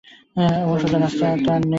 অমন সোজা রাস্তা তো আর নাই।